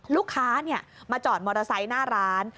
ลูกค้ามาจอดมอเตอร์ไซค์หน้าร้าน